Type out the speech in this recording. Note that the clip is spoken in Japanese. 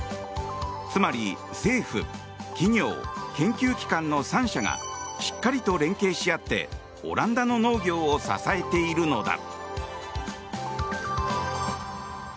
つまり政府・企業・研究機関の３者がしっかりと連携し合ってオランダの農業を支えているのだ。